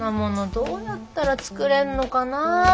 どうやったら作れんのかなぁ。